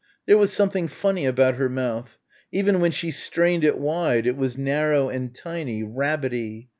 There was something funny about her mouth. Even when she strained it wide it was narrow and tiny rabbity.